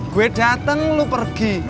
gue dateng lo pergi